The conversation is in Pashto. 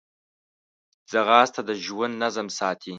ځغاسته د ژوند نظم ساتي